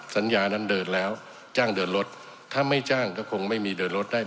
สัญญานั้นเดินแล้วจ้างเดินรถถ้าไม่จ้างก็คงไม่มีเดินรถได้